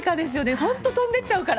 本当、飛んでっちゃうから。